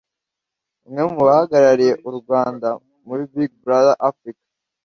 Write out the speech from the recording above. umwe mu bahagarariye u Rwanda muri Big Brother Africa